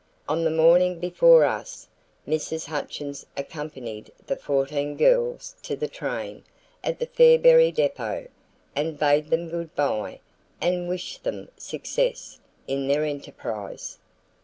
On the morning before us, Mrs. Hutchins accompanied the fourteen girls to the train at the Fairberry depot and bade them good bye and wished them success in their enterprise.